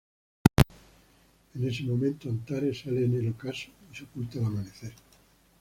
En ese momento Antares sale en el ocaso y se oculta al amanecer.